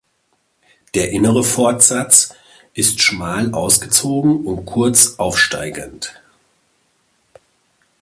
Der innere Fortsatz ist schmal ausgezogen und kurz aufsteigend.